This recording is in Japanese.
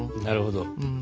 なるほど。